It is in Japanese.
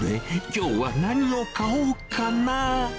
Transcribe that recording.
きょうは何を買おうかな。